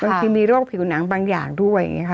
บางทีมีโรคผิวหนังบางอย่างด้วย